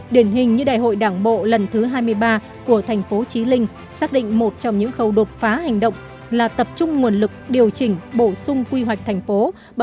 điển hình như đại hội đảng bộ lần thứ hai mươi ba của thành phố trí linh xác định một trong những khâu đột phá hành động là tập trung nguồn lực điều chỉnh bổ sung quy hoạch thành phố